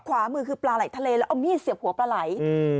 ขวามือคือปลาไหลทะเลแล้วเอามีดเสียบหัวปลาไหล